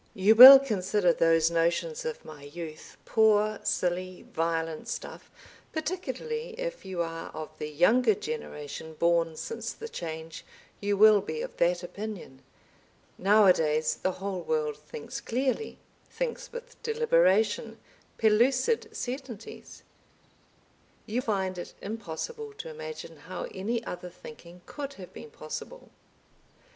You will consider those notions of my youth poor silly violent stuff; particularly if you are of the younger generation born since the Change you will be of that opinion. Nowadays the whole world thinks clearly, thinks with deliberation, pellucid certainties, you find it impossible to imagine how any other thinking could have been possible.